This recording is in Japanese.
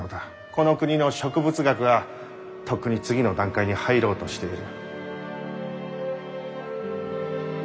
この国の植物学はとっくに次の段階に入ろうとしている。